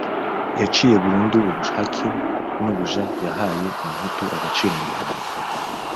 yaciye burundu ubuhake n'ubuja; yahaye umuhutu agaciro mu rwanda